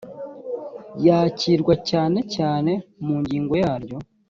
yakirwa cyane cyane mu ngingo yaryo…